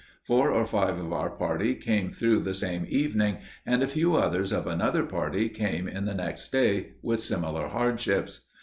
Four or five of our party came through the same evening, and a few others of another party came in the next day with similar hardships.